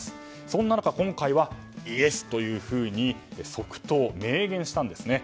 そんな中、今回はイエスというふうに即答、明言したんですね。